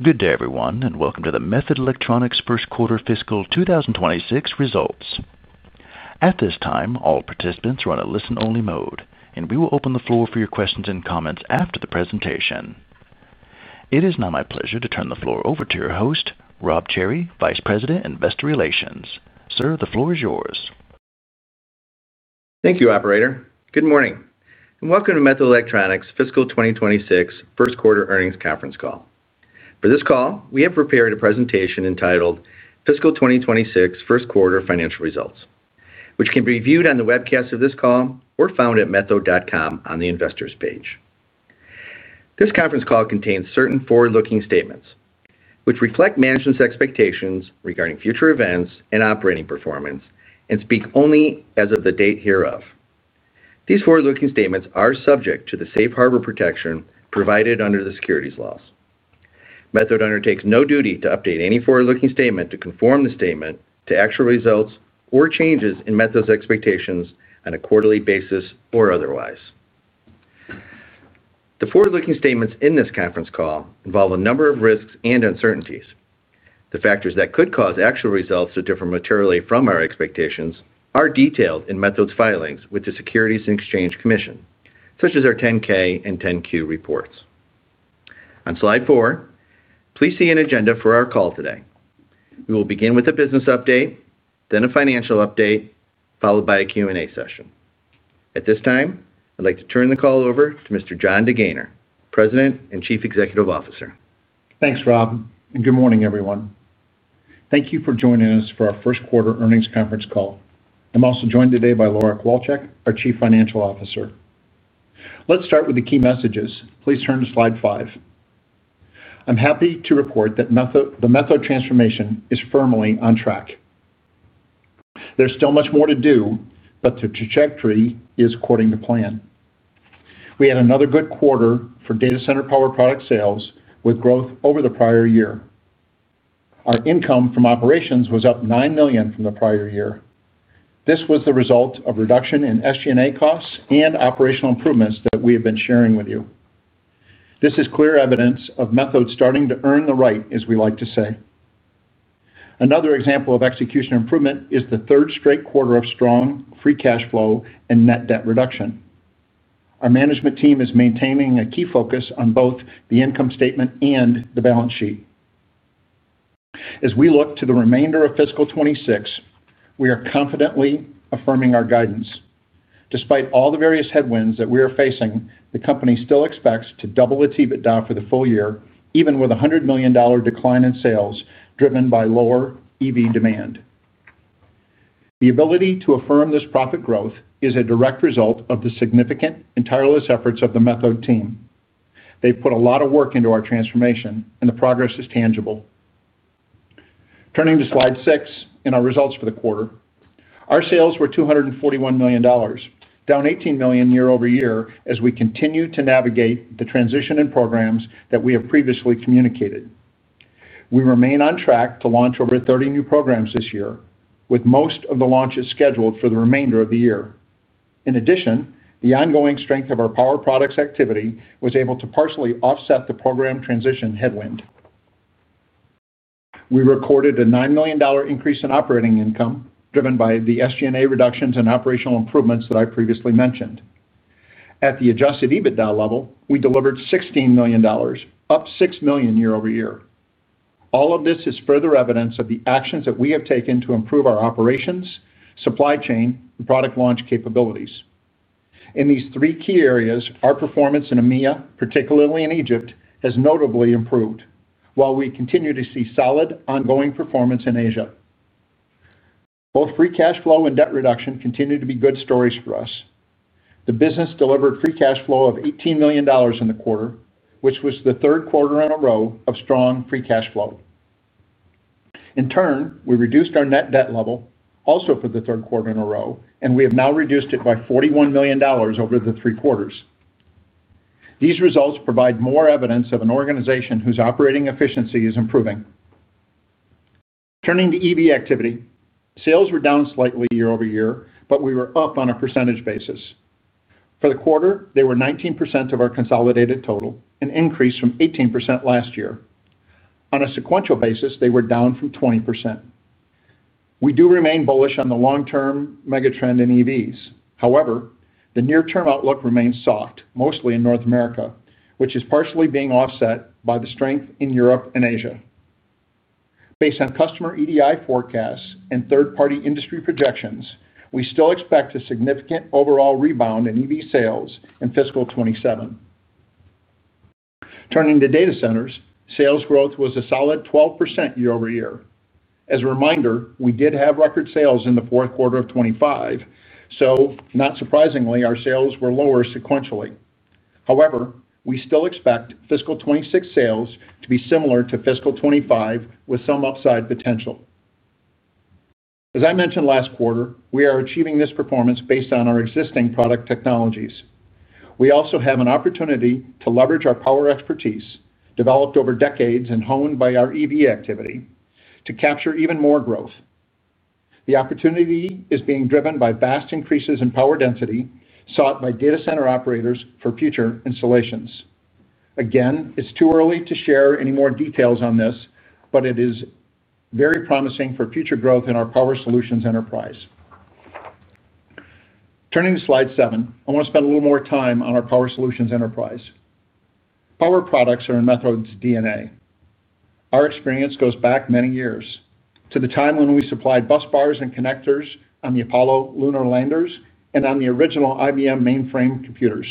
Good day, everyone, and welcome to the Methode Electronics first quarter fiscal 2026 results. At this time, all participants are on a listen-only mode, and we will open the floor for your questions and comments after the presentation. It is now my pleasure to turn the floor over to your host, Rob Cherry, Vice President, Investor Relations. Sir, the floor is yours. Thank you, Operator. Good morning, and welcome to Methode Electronics fiscal 2026 first quarter earnings conference call. For this call, we have prepared a presentation entitled "Fiscal 2026 First Quarter Financial Results," which can be viewed on the webcast of this call or found at methode.com on the Investors page. This conference call contains certain forward-looking statements, which reflect management's expectations regarding future events and operating performance and speak only as of the date hereof. These forward-looking statements are subject to the safe harbor protection provided under the securities laws. Methode undertakes no duty to update any forward-looking statement to conform the statement to actual results or changes in Methode's expectations on a quarterly basis or otherwise. The forward-looking statements in this conference call involve a number of risks and uncertainties. The factors that could cause actual results to differ materially from our expectations are detailed in Methode's filings with the Securities and Exchange Commission, such as our 10-K and 10-Q reports. On slide four, please see an agenda for our call today. We will begin with a business update, then a financial update, followed by a Q&A session. At this time, I'd like to turn the call over to Mr. John DeGaynor, President and Chief Executive Officer. Thanks, Rob, and good morning, everyone. Thank you for joining us for our first quarter earnings conference call. I'm also joined today by Laura Kowalchik, our Chief Financial Officer. Let's start with the key messages. Please turn to slide five. I'm happy to report that the Methode transformation is firmly on track. There's still much more to do, but the trajectory is according to plan. We had another good quarter for data center power product sales with growth over the prior year. Our income from operations was up $9 million from the prior year. This was the result of a reduction in SG&A expenses and operational improvements that we have been sharing with you. This is clear evidence of Methode starting to earn the right, as we like to say. Another example of execution improvement is the third straight quarter of strong free cash flow and net debt reduction. Our management team is maintaining a key focus on both the income statement and the balance sheet. As we look to the remainder of fiscal 2026, we are confidently affirming our guidance. Despite all the various headwinds that we are facing, the company still expects to double its EBITDA for the full year, even with a $100 million decline in sales driven by lower EV demand. The ability to affirm this profit growth is a direct result of the significant and tireless efforts of the Methode team. They've put a lot of work into our transformation, and the progress is tangible. Turning to slide six and our results for the quarter, our sales were $241 million, down $18 million year over year as we continue to navigate the transition in programs that we have previously communicated. We remain on track to launch over 30 new programs this year, with most of the launches scheduled for the remainder of the year. In addition, the ongoing strength of our power products activity was able to partially offset the program transition headwind. We recorded a $9 million increase in operating income driven by the SG&A reductions and operational improvements that I previously mentioned. At the adjusted EBITDA level, we delivered $16 million, up $6 million year over year. All of this is further evidence of the actions that we have taken to improve our operations, supply chain, and product launch capabilities. In these three key areas, our performance in EMEA, particularly in Egypt, has notably improved, while we continue to see solid ongoing performance in Asia. Both free cash flow and debt reduction continue to be good stories for us. The business delivered free cash flow of $18 million in the quarter, which was the third quarter in a row of strong free cash flow. In turn, we reduced our net debt level, also for the third quarter in a row, and we have now reduced it by $41 million over the three quarters. These results provide more evidence of an organization whose operating efficiency is improving. Turning to EV activity, sales were down slightly year over year, but we were up on a percentage basis. For the quarter, they were 19% of our consolidated total, an increase from 18% last year. On a sequential basis, they were down from 20%. We do remain bullish on the long-term megatrend in EVs. However, the near-term outlook remains soft, mostly in North America, which is partially being offset by the strength in Europe and Asia. Based on customer EDI forecasts and third-party industry projections, we still expect a significant overall rebound in EV sales in fiscal 2027. Turning to data centers, sales growth was a solid 12% year over year. As a reminder, we did have record sales in the fourth quarter of 2025, so not surprisingly, our sales were lower sequentially. However, we still expect fiscal 2026 sales to be similar to fiscal 2025 with some upside potential. As I mentioned last quarter, we are achieving this performance based on our existing product technologies. We also have an opportunity to leverage our power expertise, developed over decades and honed by our EV activity, to capture even more growth. The opportunity is being driven by vast increases in power density sought by data center operators for future installations. Again, it's too early to share any more details on this, but it is very promising for future growth in our power solutions enterprise. Turning to slide seven, I want to spend a little more time on our power solutions enterprise. Power products are in Methode's DNA. Our experience goes back many years to the time when we supplied bus bars and connectors on the Apollo lunar landers and on the original IBM mainframe computers.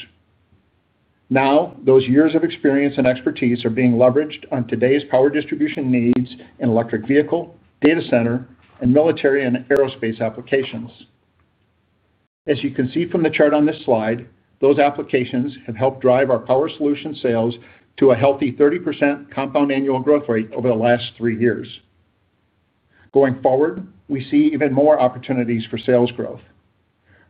Now, those years of experience and expertise are being leveraged on today's power distribution needs in electric vehicle, data center, and military and aerospace applications. As you can see from the chart on this slide, those applications have helped drive our power solution sales to a healthy 30% compound annual growth rate over the last three years. Going forward, we see even more opportunities for sales growth.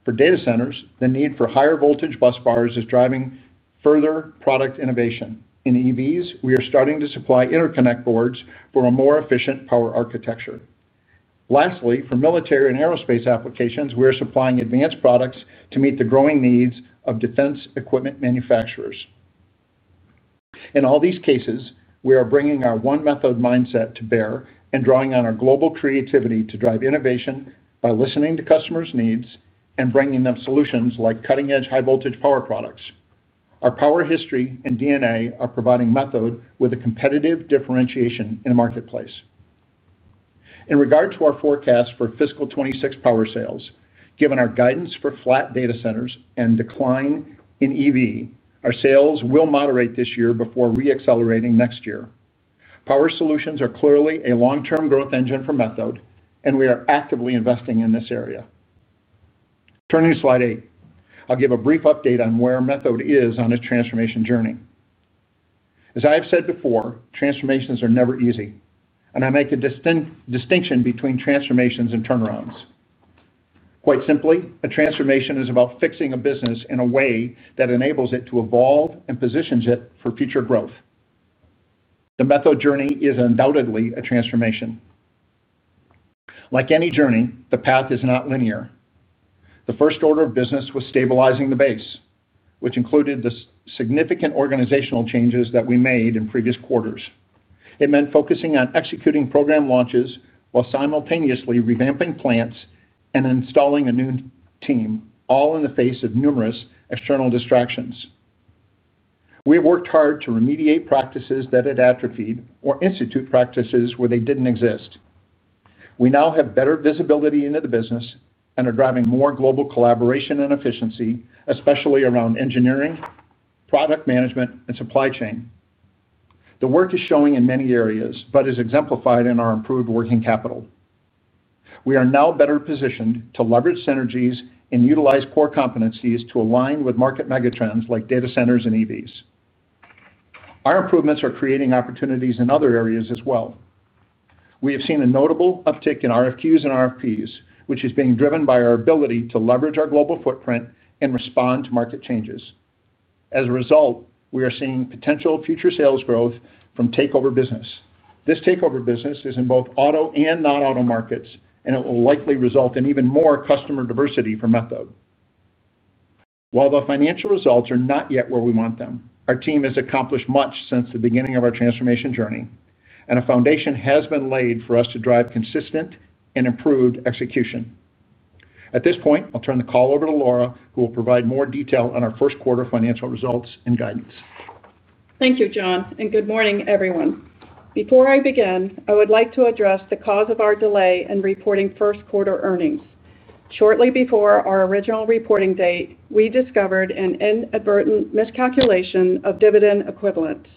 For data centers, the need for higher voltage bus bars is driving further product innovation. In EVs, we are starting to supply interconnect boards for a more efficient power architecture. Lastly, for military and aerospace applications, we are supplying advanced products to meet the growing needs of defense equipment manufacturers. In all these cases, we are bringing our One Methode mindset to bear and drawing on our global creativity to drive innovation by listening to customers' needs and bringing them solutions like cutting-edge high-voltage power products. Our power history and DNA are providing Methode with a competitive differentiation in the marketplace. In regard to our forecast for fiscal 2026 power sales, given our guidance for flat data centers and decline in EV, our sales will moderate this year before re-accelerating next year. Power solutions are clearly a long-term growth engine for Methode, and we are actively investing in this area. Turning to slide eight, I'll give a brief update on where Methode is on its transformation journey. As I have said before, transformations are never easy, and I make a distinct distinction between transformations and turnarounds. Quite simply, a transformation is about fixing a business in a way that enables it to evolve and positions it for future growth. The Methode journey is undoubtedly a transformation. Like any journey, the path is not linear. The first order of business was stabilizing the base, which included the significant organizational changes that we made in previous quarters. It meant focusing on executing program launches while simultaneously revamping plants and installing a new team, all in the face of numerous external distractions. We have worked hard to remediate practices that had atrophied or institute practices where they didn't exist. We now have better visibility into the business and are driving more global collaboration and efficiency, especially around engineering, product management, and supply chain. The work is showing in many areas, but is exemplified in our improved working capital. We are now better positioned to leverage synergies and utilize core competencies to align with market megatrends like data centers and EVs. Our improvements are creating opportunities in other areas as well. We have seen a notable uptick in RFQs and RFPs, which is being driven by our ability to leverage our global footprint and respond to market changes. As a result, we are seeing potential future sales growth from takeover business. This takeover business is in both auto and non-auto markets, and it will likely result in even more customer diversity for Methode. While the financial results are not yet where we want them, our team has accomplished much since the beginning of our transformation journey, and a foundation has been laid for us to drive consistent and improved execution. At this point, I'll turn the call over to Laura, who will provide more detail on our first quarter financial results and guidance. Thank you, John, and good morning, everyone. Before I begin, I would like to address the cause of our delay in reporting first quarter earnings. Shortly before our original reporting date, we discovered an inadvertent miscalculation of dividend equivalents.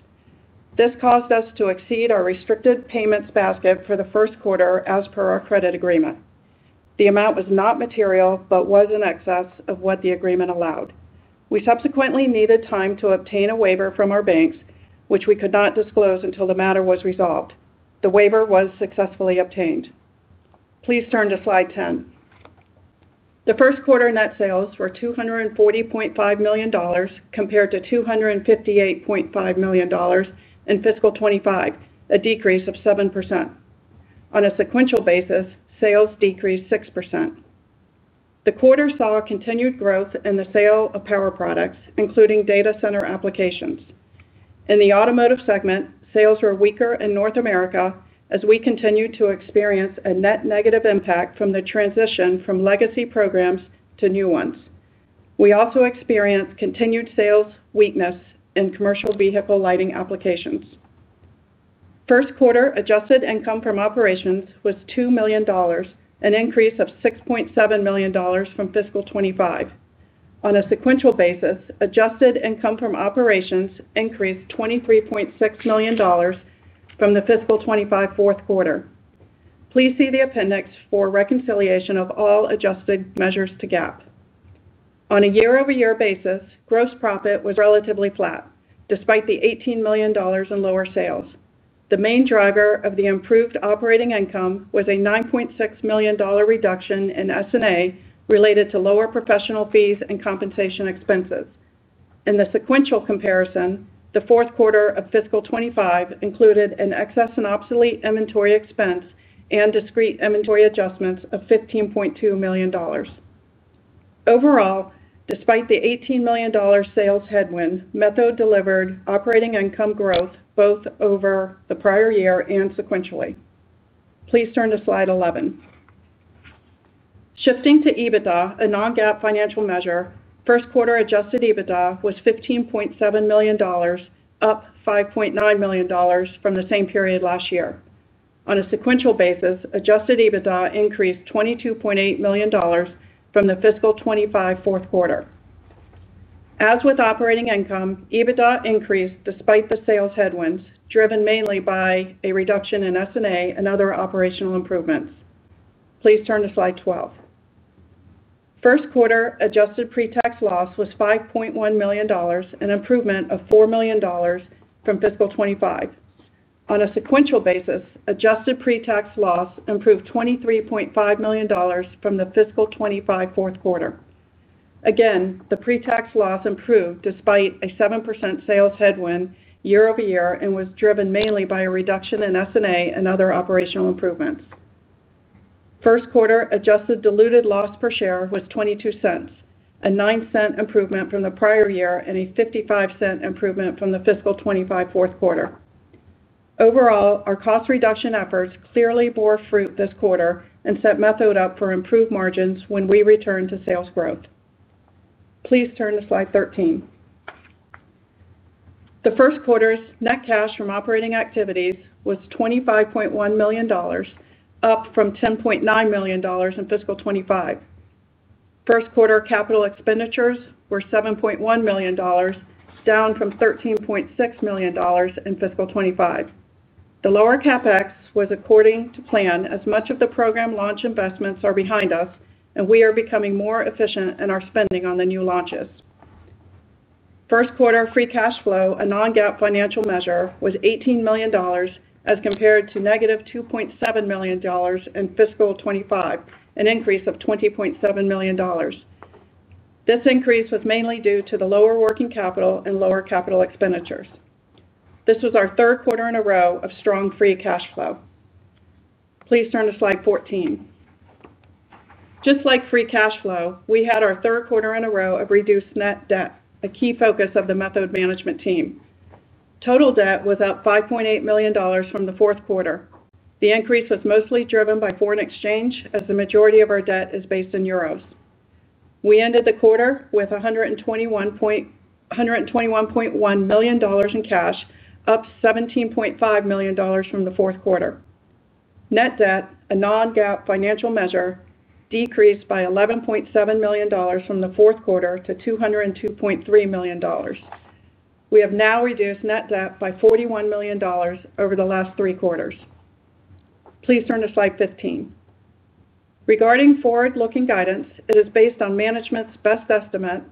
This caused us to exceed our restricted payments basket for the first quarter as per our credit agreement. The amount was not material, but was in excess of what the agreement allowed. We subsequently needed time to obtain a waiver from our banks, which we could not disclose until the matter was resolved. The waiver was successfully obtained. Please turn to slide 10. The first quarter net sales were $240.5 million compared to $258.5 million in fiscal 2025, a decrease of 7%. On a sequential basis, sales decreased 6%. The quarter saw continued growth in the sale of power products, including data center applications. In the automotive segment, sales were weaker in North America, as we continued to experience a net negative impact from the transition from legacy programs to new ones. We also experienced continued sales weakness in commercial vehicle lighting applications. First quarter adjusted income from operations was $2 million, an increase of $6.7 million from fiscal 2025. On a sequential basis, adjusted income from operations increased $23.6 million from the fiscal 2025 fourth quarter. Please see the appendix for reconciliation of all adjusted measures to GAAP. On a year-over-year basis, gross profit was relatively flat, despite the $18 million in lower sales. The main driver of the improved operating income was a $9.6 million reduction in SG&A related to lower professional fees and compensation expenses. In the sequential comparison, the fourth quarter of fiscal 2025 included an excess in obsolete inventory expense and discrete inventory adjustments of $15.2 million. Overall, despite the $18 million sales headwind, Methode delivered operating income growth both over the prior year and sequentially. Please turn to slide 11. Shifting to EBITDA and non-GAAP financial measure, first quarter adjusted EBITDA was $15.7 million, up $5.9 million from the same period last year. On a sequential basis, adjusted EBITDA increased $22.8 million from the fiscal 2025 fourth quarter. As with operating income, EBITDA increased despite the sales headwinds, driven mainly by a reduction in SG&A and other operational improvements. Please turn to slide 12. First quarter adjusted pre-tax loss was $5.1 million, an improvement of $4 million from fiscal 2025. On a sequential basis, adjusted pre-tax loss improved $23.5 million from the fiscal 2025 fourth quarter. Again, the pre-tax loss improved despite a 7% sales headwind year over year and was driven mainly by a reduction in SG&A and other operational improvements. First quarter adjusted diluted loss per share was $0.22, a $0.09 improvement from the prior year and a $0.55 improvement from the fiscal 2025 fourth quarter. Overall, our cost reduction efforts clearly bore fruit this quarter and set Methode up for improved margins when we return to sales growth. Please turn to slide 13. The first quarter's net cash from operating activities was $25.1 million, up from $10.9 million in fiscal 2025. First quarter capital expenditures were $7.1 million, down from $13.6 million in fiscal 2025. The lower CapEx was according to plan as much of the program launch investments are behind us, and we are becoming more efficient in our spending on the new launches. First quarter free cash flow, a non-GAAP financial measure, was $18 million as compared to negative $2.7 million in fiscal 2025, an increase of $20.7 million. This increase was mainly due to the lower working capital and lower capital expenditures. This was our third quarter in a row of strong free cash flow. Please turn to slide 14. Just like free cash flow, we had our third quarter in a row of reduced net debt, a key focus of the Methode management team. Total debt was up $5.8 million from the fourth quarter. The increase was mostly driven by foreign exchange, as the majority of our debt is based in euros. We ended the quarter with $121.1 million in cash, up $17.5 million from the fourth quarter. Net debt, a non-GAAP financial measure, decreased by $11.7 million from the fourth quarter to $202.3 million. We have now reduced net debt by $41 million over the last three quarters. Please turn to slide 15. Regarding forward-looking guidance, it is based on management's best estimate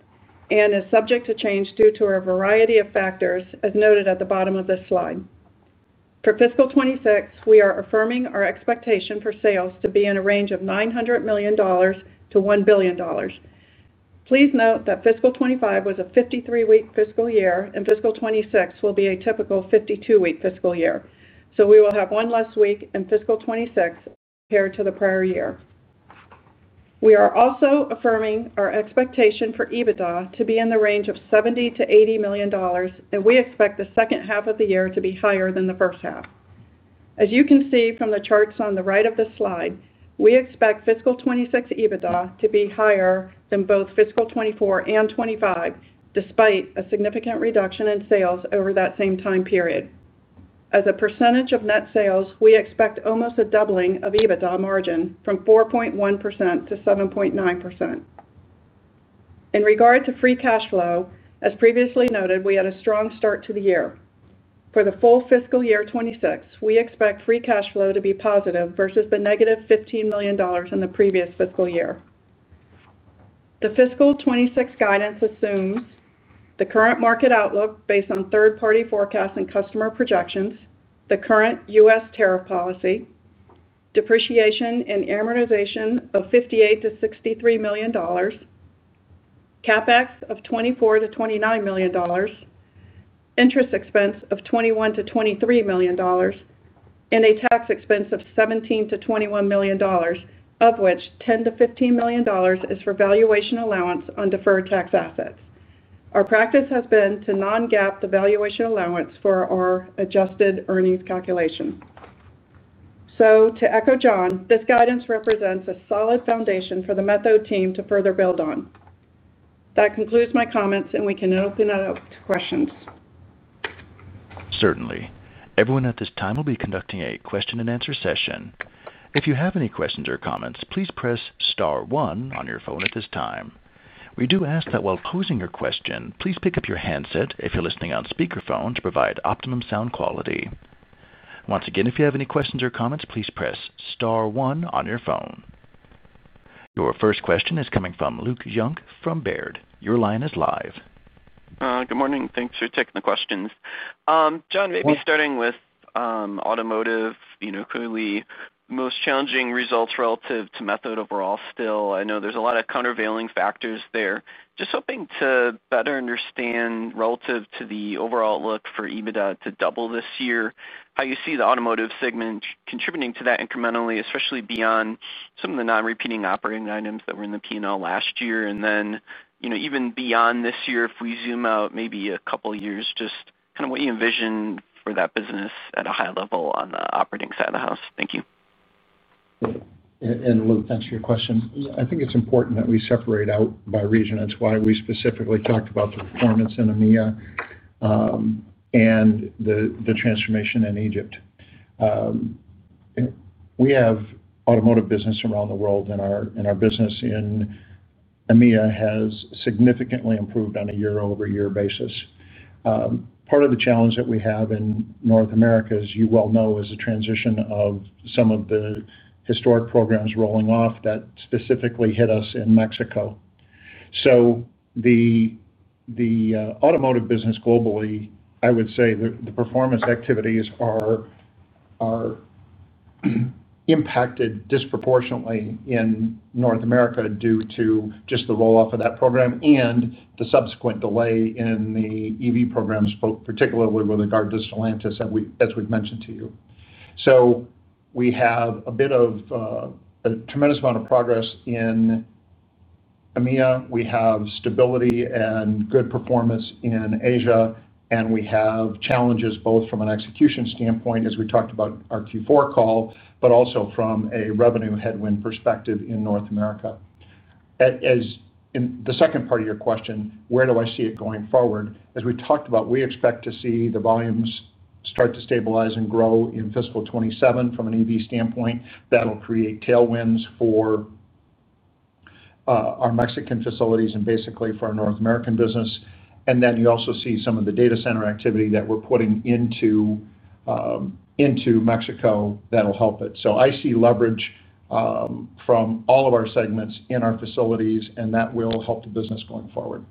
and is subject to change due to a variety of factors, as noted at the bottom of this slide. For fiscal 2026, we are affirming our expectation for sales to be in a range of $900 million to $1 billion. Please note that fiscal 2025 was a 53-week fiscal year, and fiscal 2026 will be a typical 52-week fiscal year. We will have one less week in fiscal 2026 compared to the prior year. We are also affirming our expectation for EBITDA to be in the range of $70 to $80 million, and we expect the second half of the year to be higher than the first half. As you can see from the charts on the right of the slide, we expect fiscal 2026 EBITDA to be higher than both fiscal 2024 and 2025, despite a significant reduction in sales over that same time period. As a percentage of net sales, we expect almost a doubling of EBITDA margin from 4.1% to 7.9%. In regard to free cash flow, as previously noted, we had a strong start to the year. For the full fiscal year 2026, we expect free cash flow to be positive versus the negative $15 million in the previous fiscal year. The fiscal 2026 guidance assumes the current market outlook based on third-party forecasts and customer projections, the current U.S. tariff policy, depreciation and amortization of $58 to $63 million, CapEx of $24 to $29 million, interest expense of $21 to $23 million, and a tax expense of $17 to $21 million, of which $10 to $15 million is for valuation allowance on deferred tax assets. Our practice has been to non-GAAP the valuation allowance for our adjusted earnings calculation. To echo John, this guidance represents a solid foundation for the Methode team to further build on. That concludes my comments, and we can open it up to questions. Certainly. Everyone at this time will be conducting a question and answer session. If you have any questions or comments, please press star one on your phone at this time. We do ask that while posing your question, please pick up your handset if you're listening on speakerphone to provide optimum sound quality. Once again, if you have any questions or comments, please press star one on your phone. Your first question is coming from Luke Junk from Baird. Your line is live. Good morning. Thanks for taking the questions. John, maybe starting with automotive, you know, clearly most challenging results relative to Methode overall still. I know there's a lot of countervailing factors there. Just hoping to better understand relative to the overall look for EBITDA to double this year, how you see the automotive segment contributing to that incrementally, especially beyond some of the non-repeating operating items that were in the P&L last year. You know, even beyond this year, if we zoom out maybe a couple of years, just kind of what you envision for that business at a high level on the operating side of the house. Thank you. Luke, thanks for your question. I think it's important that we separate out by region as to why we specifically talked about the performance in EMEA and the transformation in Egypt. We have automotive business around the world, and our business in EMEA has significantly improved on a year-over-year basis. Part of the challenge that we have in North America is, as you well know, a transition of some of the historic programs rolling off that specifically hit us in Mexico. The automotive business globally, I would say the performance activities are impacted disproportionately in North America due to just the roll-off of that program and the subsequent delay in the EV programs, particularly with regard to Stellantis, as we've mentioned to you. We have a bit of a tremendous amount of progress in EMEA. We have stability and good performance in Asia, and we have challenges both from an execution standpoint, as we talked about on our Q4 call, but also from a revenue headwind perspective in North America. As to the second part of your question, where do I see it going forward? As we talked about, we expect to see the volumes start to stabilize and grow in fiscal 2027 from an EV standpoint. That'll create tailwinds for our Mexican facilities and basically for our North American business. You also see some of the data center activity that we're putting into Mexico that'll help it. I see leverage from all of our segments in our facilities, and that will help the business going forward.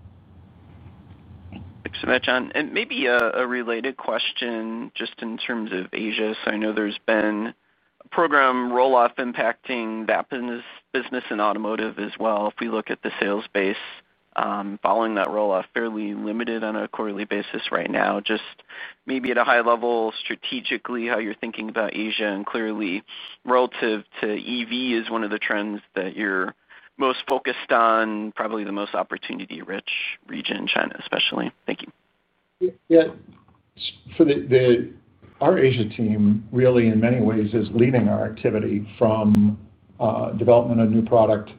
Thanks so much, John. Maybe a related question just in terms of Asia. I know there's been a legacy program roll-off impacting that business in automotive as well. If we look at the sales base following that roll-off, fairly limited on a quarterly basis right now. Just at a high level strategically, how you're thinking about Asia, and clearly relative to EV is one of the trends that you're most focused on, probably the most opportunity-rich region, China especially. Thank you. Our Asia team really, in many ways, is leading our activity from development of new product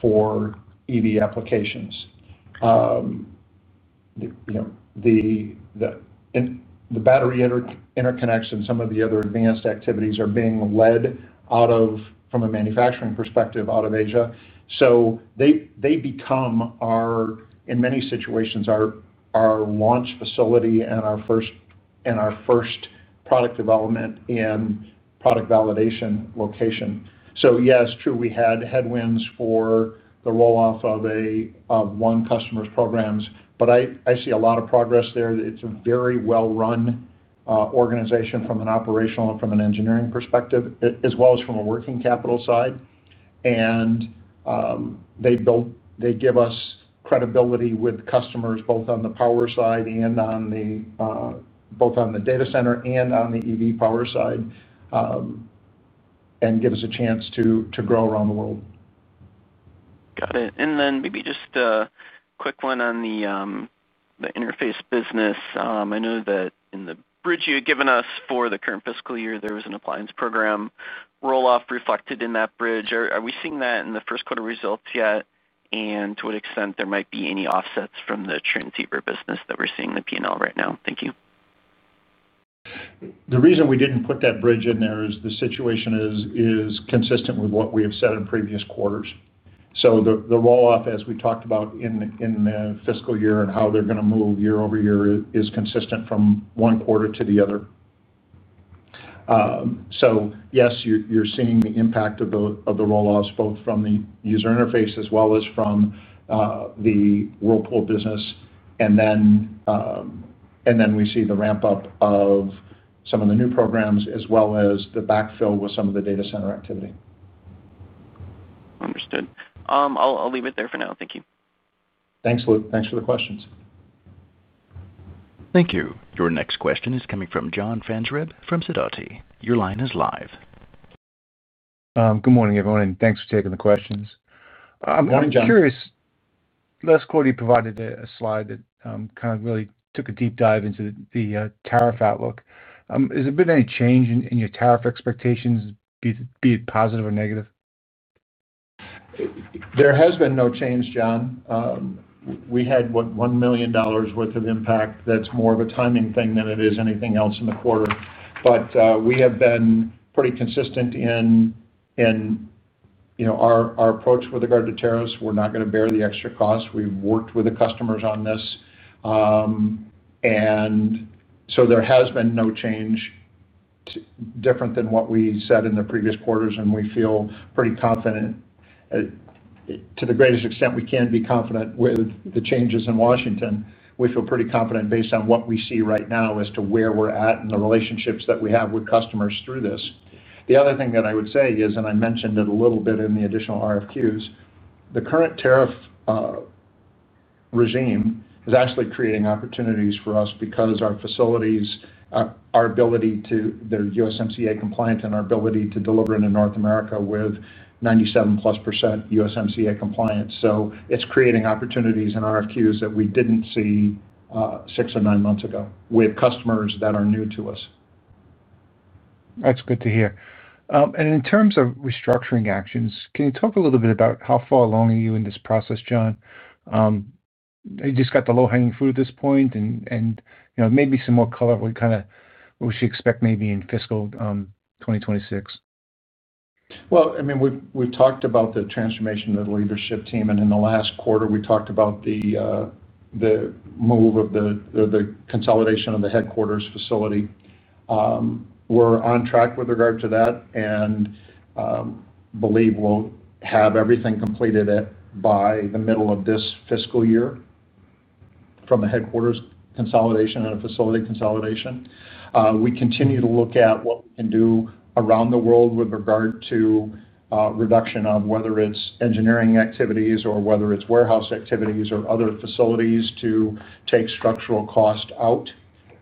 for EV applications. The battery interconnects and some of the other advanced activities are being led out of, from a manufacturing perspective, out of Asia. They become our, in many situations, our launch facility and our first product development and product validation location. Yes, we had headwinds for the roll-off of one customer's programs, but I see a lot of progress there. It's a very well-run organization from an operational and from an engineering perspective, as well as from a working capital side. They give us credibility with customers both on the power side and on the data center and on the EV power side and give us a chance to grow around the world. Got it. Maybe just a quick one on the interface business. I know that in the bridge you had given us for the current fiscal year, there was an appliance program roll-off reflected in that bridge. Are we seeing that in the first quarter results yet? To what extent there might be any offsets from the trim taper business that we're seeing in the P&L right now? Thank you. The reason we didn't put that bridge in there is the situation is consistent with what we have said in previous quarters. The rolloff, as we talked about in the fiscal year and how they're going to move year over year, is consistent from one quarter to the other. Yes, you're seeing the impact of the rolloffs both from the user interface as well as from the Whirlpool business. We see the ramp-up of some of the new programs as well as the backfill with some of the data center activity. Understood. I'll leave it there for now. Thank you. Thanks, Luke. Thanks for the questions. Thank you. Your next question is coming from John Franzreb from Sidoti. Your line is live. Good morning, everyone, and thanks for taking the questions. Morning, John. I'm curious, last quarter you provided a slide that really took a deep dive into the tariff outlook. Has there been any change in your tariff expectations, be it positive or negative? There has been no change, John. We had, what, $1 million worth of impact. That's more of a timing thing than it is anything else in the quarter. We have been pretty consistent in our approach with regard to tariffs. We're not going to bear the extra costs. We've worked with the customers on this. There has been no change different than what we said in the previous quarters, and we feel pretty confident, to the greatest extent we can be confident with the changes in Washington. We feel pretty confident based on what we see right now as to where we're at and the relationships that we have with customers through this. The other thing that I would say is, I mentioned it a little bit in the additional RFQs, the current tariff regime is actually creating opportunities for us because our facilities, our ability to, they're USMCA compliant and our ability to deliver into North America with 97% plus USMCA compliance. It's creating opportunities and RFQs that we didn't see six or nine months ago with customers that are new to us. That's good to hear. In terms of restructuring actions, can you talk a little bit about how far along are you in this process, John? You just got the low-hanging fruit at this point, and maybe some more color, what kind of what we should expect maybe in fiscal 2026? We have talked about the transformation of the leadership team, and in the last quarter, we talked about the move of the consolidation of the headquarters facility. We are on track with regard to that and believe we will have everything completed by the middle of this fiscal year from a headquarters consolidation and a facility consolidation. We continue to look at what we can do around the world with regard to reduction of whether it is engineering activities or whether it is warehouse activities or other facilities to take structural costs out.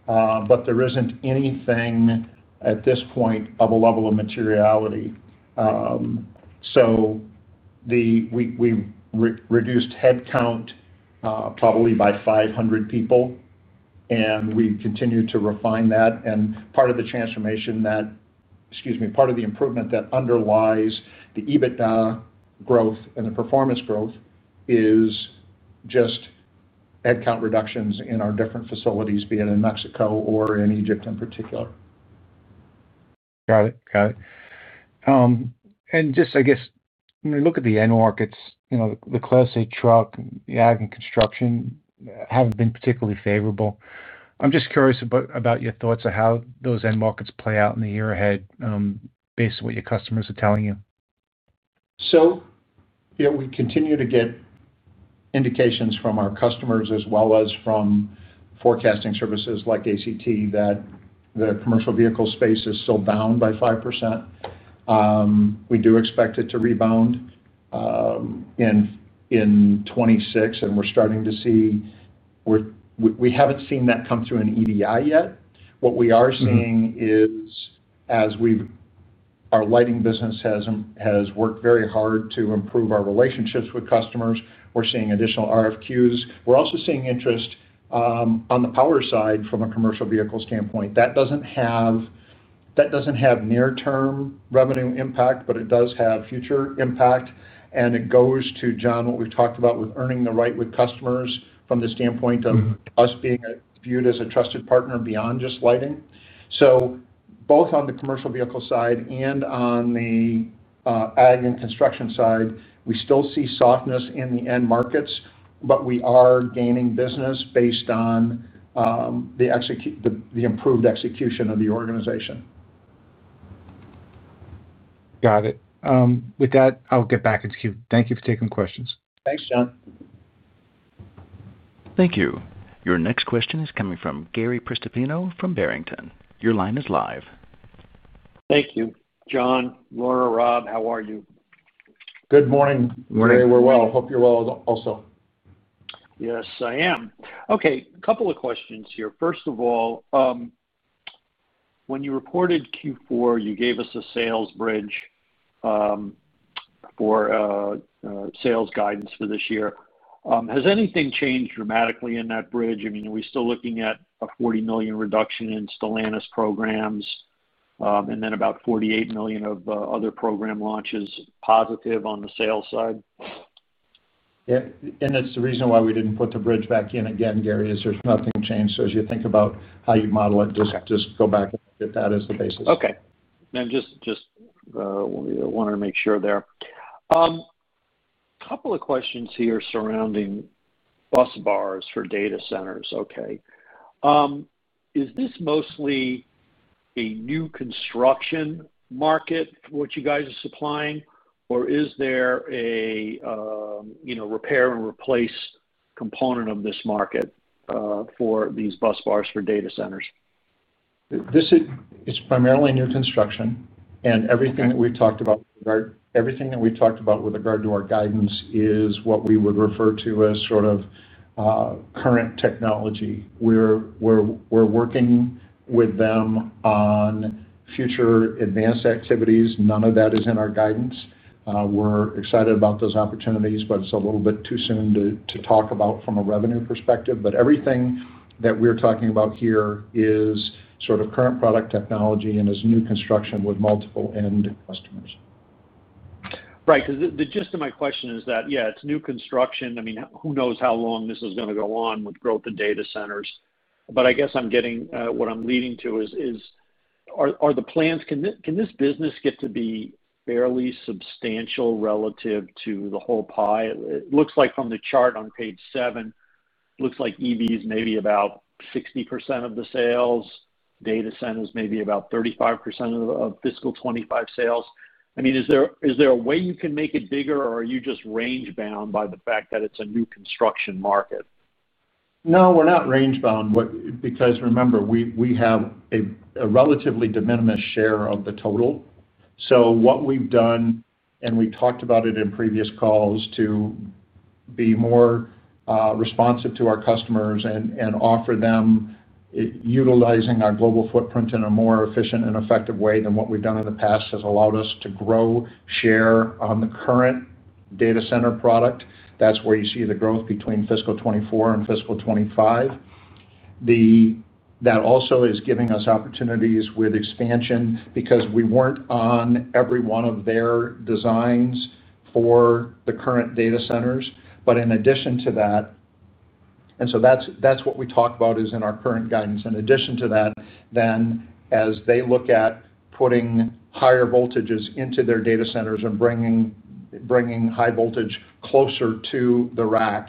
There is not anything at this point of a level of materiality. We reduced headcount probably by 500 people, and we continue to refine that. Part of the transformation, part of the improvement that underlies the EBITDA growth and the performance growth, is just headcount reductions in our different facilities, be it in Mexico or in Egypt in particular. Got it. When we look at the end markets, you know, the class A truck and construction haven't been particularly favorable. I'm just curious about your thoughts on how those end markets play out in the year ahead based on what your customers are telling you. Yes, we continue to get indications from our customers as well as from forecasting services like ACT that the commercial vehicle space is still bound by 5%. We do expect it to rebound in 2026, and we're starting to see, we haven't seen that come through an EDI yet. What we are seeing is as our lighting business has worked very hard to improve our relationships with customers, we're seeing additional RFQs. We're also seeing interest on the power side from a commercial vehicle standpoint. That doesn't have near-term revenue impact, but it does have future impact. It goes to, John, what we've talked about with earning the right with customers from the standpoint of us being viewed as a trusted partner beyond just lighting. Both on the commercial vehicle side and on the ag and construction side, we still see softness in the end markets, but we are gaining business based on the improved execution of the organization. Got it. With that, I'll get back to you. Thank you for taking the questions. Thanks, John. Thank you. Your next question is coming from Gary Prestopino from Barrington Research. Your line is live. Thank you, John. Laura, Rob, how are you? Good morning. Morning. Gary, we're well. Hope you're well also. Yes, I am. Okay. A couple of questions here. First of all, when you reported Q4, you gave us a sales bridge for sales guidance for this year. Has anything changed dramatically in that bridge? I mean, are we still looking at a $40 million reduction in Stellantis programs and then about $48 million of other program launches positive on the sales side? Yeah, that's the reason why we didn't put the bridge back in again, Gary. There's nothing changed, so as you think about how you model it, just go back and get that as the basis. Okay. I just wanted to make sure there. A couple of questions here surrounding bus bars for data centers. Is this mostly a new construction market, what you guys are supplying, or is there a repair and replace component of this market for these bus bars for data centers? This is primarily new construction, and everything that we've talked about with regard to our guidance is what we would refer to as sort of current technology. We're working with them on future advanced activities. None of that is in our guidance. We're excited about those opportunities, but it's a little bit too soon to talk about from a revenue perspective. Everything that we're talking about here is sort of current product technology and is new construction with multiple end customers. Right. The gist of my question is that, yeah, it's new construction. I mean, who knows how long this is going to go on with growth in data centers? I guess what I'm leading to is, are the plans, can this business get to be fairly substantial relative to the whole pie? It looks like from the chart on page seven, it looks like EVs may be about 60% of the sales, data centers may be about 35% of fiscal 2025 sales. I mean, is there a way you can make it bigger, or are you just range bound by the fact that it's a new construction market? No, we're not range bound because remember, we have a relatively de minimis share of the total. What we've done, and we've talked about it in previous calls, to be more responsive to our customers and offer them utilizing our global footprint in a more efficient and effective way than what we've done in the past has allowed us to grow share on the current data center power products. That's where you see the growth between fiscal 2024 and fiscal 2025. That also is giving us opportunities with expansion because we weren't on every one of their designs for the current data centers. In addition to that, as they look at putting higher voltages into their data centers and bringing high voltage closer to the rack,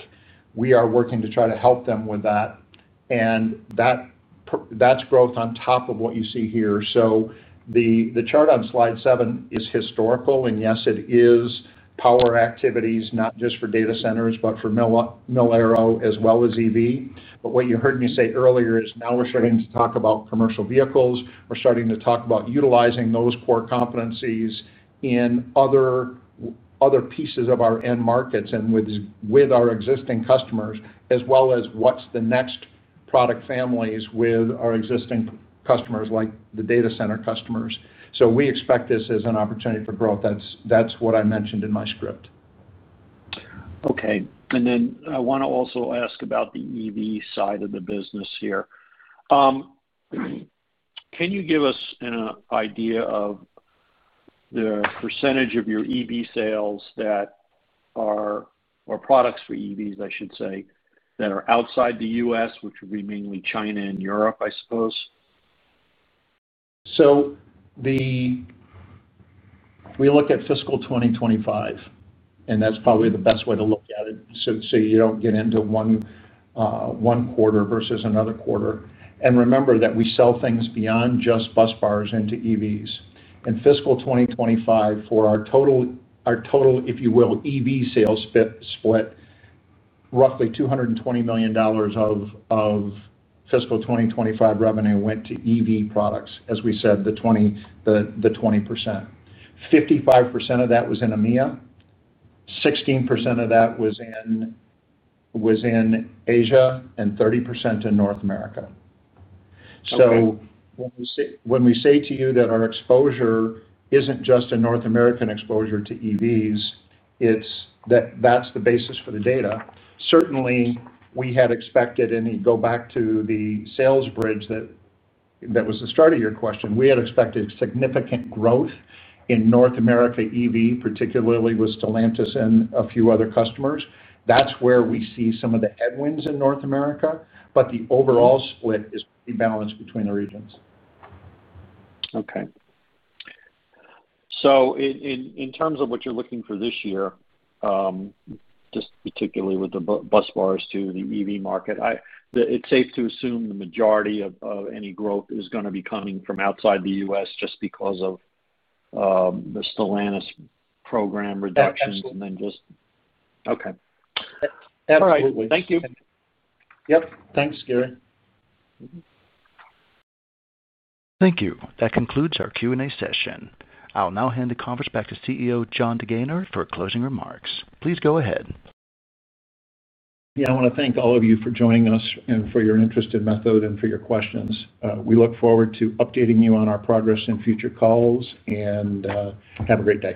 we are working to try to help them with that. That's growth on top of what you see here. The chart on slide seven is historical, and yes, it is power activities, not just for data centers, but for Millero, as well as EV. What you heard me say earlier is now we're starting to talk about commercial vehicles. We're starting to talk about utilizing those core competencies in other pieces of our end markets and with our existing customers, as well as what's the next product families with our existing customers like the data center customers. We expect this as an opportunity for growth. That's what I mentioned in my script. Okay. I want to also ask about the EV side of the business here. Can you give us an idea of the percentage of your EV sales that are products for EVs, I should say, that are outside the U.S., which would be mainly China and Europe, I suppose? We look at fiscal 2025, and that's probably the best way to look at it so you don't get into one quarter versus another quarter. Remember that we sell things beyond just bus bars into EVs. In fiscal 2025, for our total, our total, if you will, EV sales split, roughly $220 million of fiscal 2025 revenue went to EV products, as we said, the 20%. 55% of that was in EMEA, 16% of that was in Asia, and 30% in North America. When we say to you that our exposure isn't just a North American exposure to EVs, that's the basis for the data. Certainly, we had expected, and you go back to the sales bridge that was the start of your question, we had expected significant growth in North America EV, particularly with Stellantis and a few other customers. That's where we see some of the headwinds in North America, but the overall split is the balance between the regions. Okay. In terms of what you're looking for this year, just particularly with the bus bars to the EV market, it's safe to assume the majority of any growth is going to be coming from outside the U.S. just because of the Stellantis program reductions and then just. Absolutely. Okay. All right. Thank you. Yep. Thanks, Gary. Thank you. That concludes our Q&A session. I'll now hand the conference back to CEO John DeGaynor for closing remarks. Please go ahead. Yeah, I want to thank all of you for joining us and for your interest in Methode and for your questions. We look forward to updating you on our progress in future calls, and have a great day.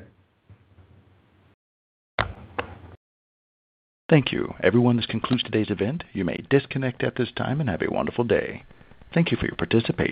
Thank you. Everyone, this concludes today's event. You may disconnect at this time and have a wonderful day. Thank you for your participation.